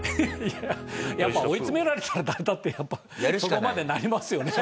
ハハハいややっぱ追い詰められたら誰だってやっぱそこまでなりますよね。